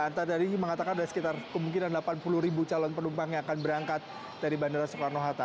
anda tadi mengatakan ada sekitar kemungkinan delapan puluh ribu calon penumpang yang akan berangkat dari bandara soekarno hatta